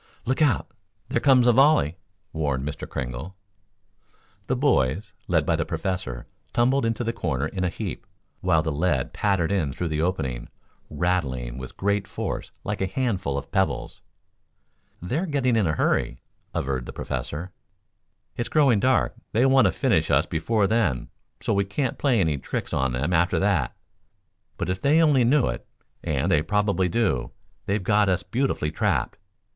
"Look out! There comes a volley!" warned Mr. Kringle. The boys, led by the Professor tumbled into the corner in a heap, while the lead pattered in through the opening, rattling with great force like a handful of pebbles. "They're getting in a hurry," averred the Professor. "It's growing dark. They want to finish us before then, so we can't play any tricks on them after that. But, if they only knew it, and they probably do, they've got us beautifully trapped.